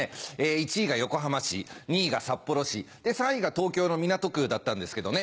１位が横浜市２位が札幌市３位が東京の港区だったんですけどね。